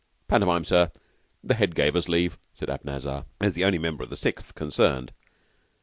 "Pantomime, sir. The Head gave us leave," said Abanazar, as the only member of the Sixth concerned.